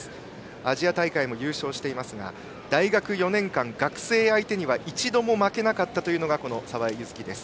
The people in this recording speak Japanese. アジア大会も優勝していますが大学４年間、学生相手には一度も負けなかったのが澤江優月。